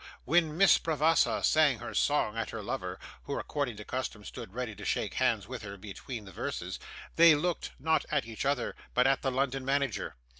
When Miss Bravassa sang her song at her lover, who according to custom stood ready to shake hands with her between the verses, they looked, not at each other, but at the London manager.